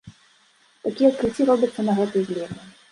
Такія адкрыцці робяцца на гэтай глебе!